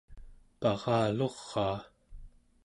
paraluraa